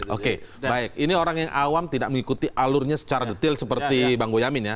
oke baik ini orang yang awam tidak mengikuti alurnya secara detail seperti bang boyamin ya